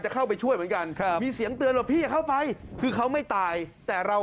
เข้าไปช่วยเหมือนกันครับมีเสียงเตือนว่าพี่อย่าเข้าไปคือเขาไม่ตายแต่เรา